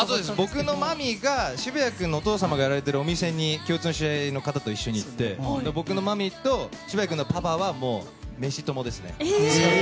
僕のマミーが渋谷君のお父様がやられているお店に共通の知り合いの方と一緒に行って僕のマミーと渋谷君のパパは飯友ですね。